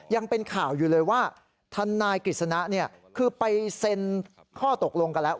ยังเป็นข่าวอยู่เลยว่าทนายกฤษณะคือไปเซ็นข้อตกลงกันแล้ว